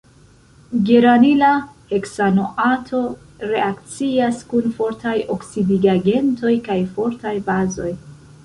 Geranila heksanoato reakcias kun fortaj oksidigagentoj kaj fortaj bazoj.